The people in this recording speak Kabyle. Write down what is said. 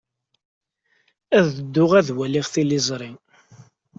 Ad dduɣ ad waliɣ tiliẓri.